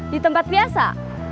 di tempat biasa